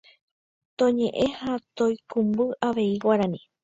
Toñe'ẽ ha toikũmby avei Guarani